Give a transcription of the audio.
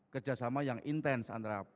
kerjasama yang intens antara